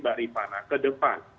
baripana ke depan